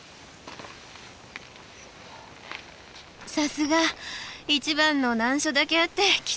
さすが一番の難所だけあってきついですね。